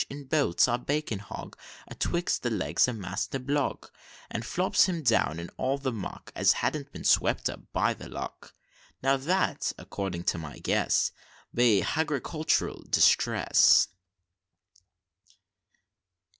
in bolts our bacon hog Atwixt the legs o' Master Blogg, And flops him down in all the muck, As hadn't been swept up by luck Now that, accordin' to my guess, Be Hagricultural Distress."